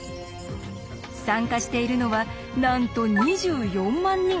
参加しているのはなんと２４万人！